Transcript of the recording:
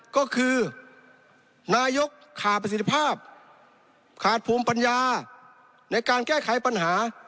ก็คือนายกขาดประสิทธิภาพขาดภูมิปัญญาในการแก้ไขปัญหา